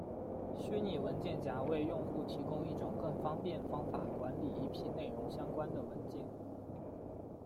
虚拟文件夹为用户提供一种更方便方法管理一批内容相关的文件。